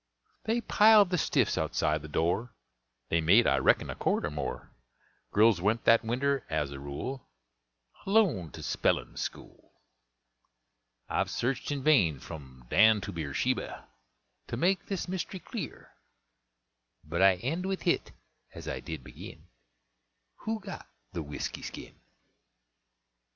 They piled the stiffs outside the door; They made, I reckon, a cord or more. Girls went that winter, as a rule, Alone to spellin' school. I've searched in vain, from Dan to Beer Sheba, to make this mystery clear; But I end with HIT as I did begin, "WHO GOT THE WHISKY SKIN?"